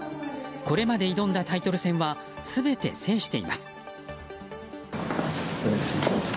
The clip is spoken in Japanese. これまで挑んだタイトル戦は全て制しています。